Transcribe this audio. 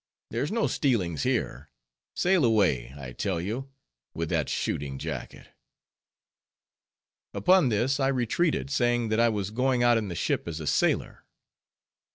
There's no stealings here; sail away, I tell you, with that shooting jacket!" Upon this I retreated, saying that I was going out in the ship as a sailor.